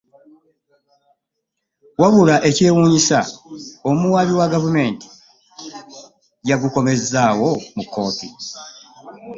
Wabula ekyewuunyisa omuwaabi wa gavumenti yagukomezzaawo mu kkooti